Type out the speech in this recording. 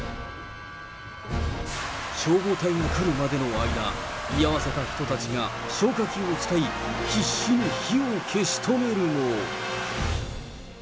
消防隊が来るまでの間、居合わせた人たちが消火器を使い、必死に火を消し止めるも。